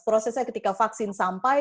prosesnya ketika vaksin sampai